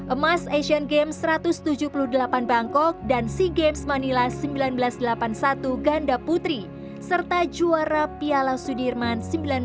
emas asian games satu ratus tujuh puluh delapan bangkok dan sea games manila seribu sembilan ratus delapan puluh satu ganda putri serta juara piala sudirman seribu sembilan ratus sembilan puluh